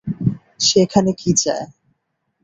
সে এখানে কি চায়?